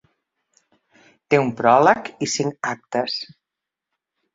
Té un pròleg i cinc actes.